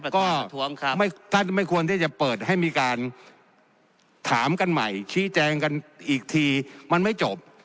ก็ท่านไม่ควรที่จะเปิดให้มีการถามกันใหม่ชี้แจงกันอีกทีมันไม่จบ